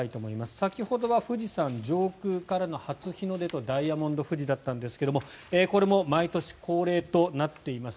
先ほどは富士山上空からの初日の出とダイヤモンド富士だったんですがこれも毎年恒例となっています